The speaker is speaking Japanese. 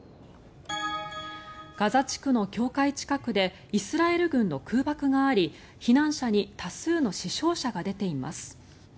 ガザ地区の境界近くでイスラエル軍の空爆があり避難者に多数の死傷者が出ています。